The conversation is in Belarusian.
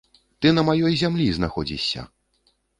Ты на маёй зямлі знаходзішся!